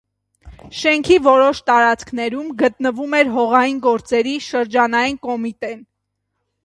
Շենքի որոշ տարածքներում գտնվում էր հողային գործերի շրջանային կոմիտեն։